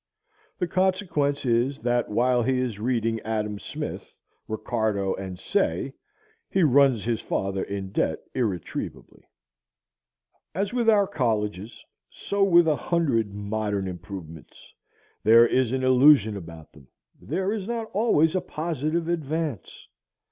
The consequence is, that while he is reading Adam Smith, Ricardo, and Say, he runs his father in debt irretrievably. As with our colleges, so with a hundred "modern improvements"; there is an illusion about them; there is not always a positive advance.